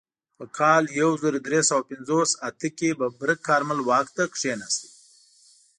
په کال یو زر درې سوه پنځوس اته کې ببرک کارمل واک ته کښېناست.